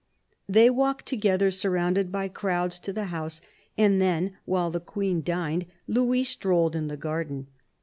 They walked together, surrounded by crowds, to the house, and then, while the Queen dined, Louis strolled in the garden.